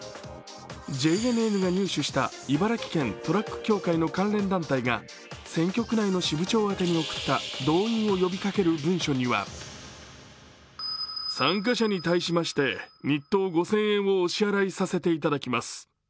ＪＮＮが入手した、茨城県トラック協会の関連団体が選挙区内の支部長宛に送った動員を呼びかける文書には参加者に対しまして日当５０００円をお支払いさせていただきます。